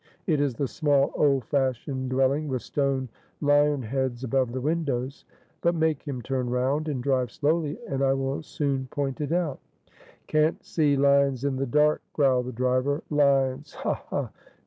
It is the small old fashioned dwelling with stone lion heads above the windows. But make him turn round, and drive slowly, and I will soon point it out." "Can't see lions in the dark" growled the driver "lions; ha! ha!